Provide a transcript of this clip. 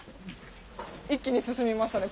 一気に進みましたね